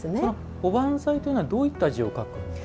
おばんざいというのはどういった字を書くんですか？